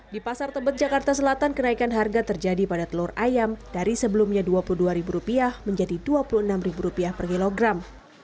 di pasar tebet jakarta selatan kenaikan harga terjadi pada telur ayam dari sebelumnya rp dua puluh dua menjadi rp dua puluh enam per kilogram